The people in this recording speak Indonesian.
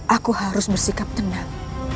aku harus bersikap tenang